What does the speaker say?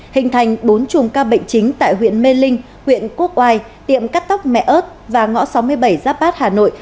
hình thành bốn chùm ca bệnh chính tại huyện mê linh huyện quốc oai tiệm cắt tóc mẹ ớt và ngõ sáu mươi bảy giáp bát hà nội